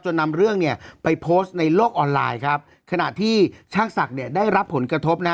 นำเรื่องเนี่ยไปโพสต์ในโลกออนไลน์ครับขณะที่ช่างศักดิ์เนี่ยได้รับผลกระทบนะ